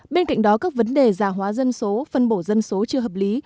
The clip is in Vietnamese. bên cạnh đó các vấn đề giả hóa dân số phân bổ dân số chưa hợp lý